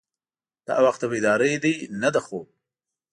دا وخت د بیدارۍ دی نه د خوب.